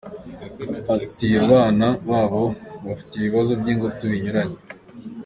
Ati” Abana babo bafite ibibazo by’ingutu binyuranye.